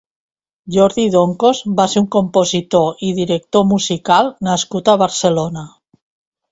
Jordi Doncos va ser un compositor i director musical nascut a Barcelona.